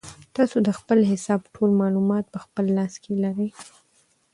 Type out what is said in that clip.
تاسو د خپل حساب ټول معلومات په خپل لاس کې لرئ.